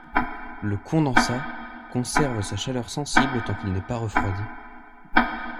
Le condensat conserve sa chaleur sensible tant qu'il n'est pas refroidi.